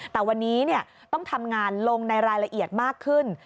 แต่วันนี้ต้องทำงานลงในรายละเอียดมากขึ้น